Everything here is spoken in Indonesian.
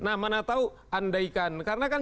nah mana tahu andaikan karena kan